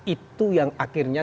itu yang akhirnya